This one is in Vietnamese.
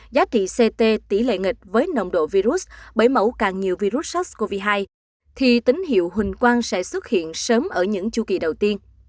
giá trị ct tỷ lệ nghịch với nồng độ virus bởi mẫu càng nhiều virus sars cov hai thì tín hiệu hình quang sẽ xuất hiện sớm ở những chu kỳ đầu tiên